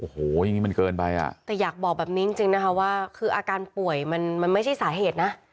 โอ้โหอย่างนี้มันเกินไปอ่ะแต่อยากบอกแบบนี้จริงจริงนะคะว่าคืออาการป่วยมันมันไม่ใช่สาเหตุนะ